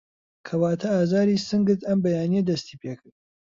کەواته ئازاری سنگت ئەم بەیانیه دستی پێکرد